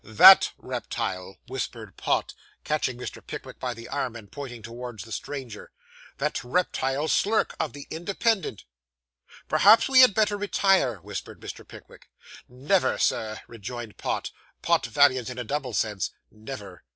'That reptile,' whispered Pott, catching Mr. Pickwick by the arm, and pointing towards the stranger. 'That reptile Slurk, of the Independent!' 'Perhaps we had better retire,' whispered Mr. Pickwick. 'Never, Sir,' rejoined Pott, pot valiant in a double sense 'never.